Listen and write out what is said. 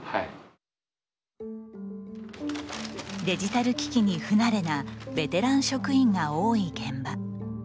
デジタル機器に不慣れなベテラン職員が多い現場。